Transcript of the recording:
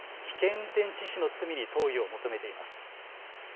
運転致死の罪に問うよう求めています。